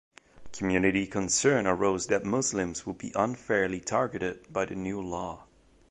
Community concern arose that Muslims would be unfairly targeted by the new law.